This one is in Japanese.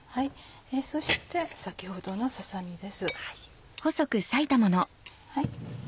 そして先ほどのささ身です。